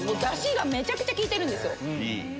ダシがめちゃくちゃ効いてるんですよ。